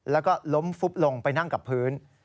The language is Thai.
แล้วก็ล้มฟุบลงไปนั่งกับพื้น